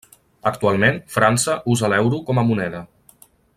Actualment, França usa l'euro com a moneda.